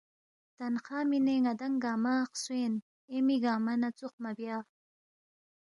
تنخواہ مِنے ن٘دانگ گنگمہ خسوین اے می گنگمہ نہ ژوخ مہ بیا